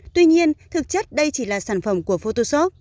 tuy nhiên thực chất đây chỉ là sản phẩm của photoshop